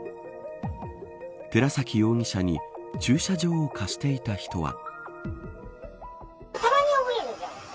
寺崎容疑者に駐車場を貸していた人は。